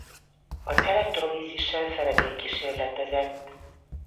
Az elektrolízissel Faraday kísérletezett.